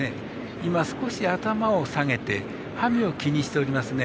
今、少し頭を下げて馬銜を気にしておりますね。